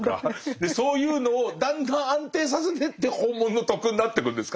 そういうのをだんだん安定させてって本物の「徳」になってくんですかね。